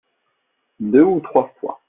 deux ou trois fois.